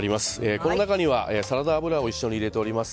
この中にはサラダ油を一緒に入れております。